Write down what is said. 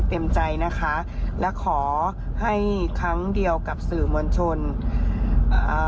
คือหนูยังไม่พร้อมที่ว่าจะให้รายละเอียดมากกว่านี้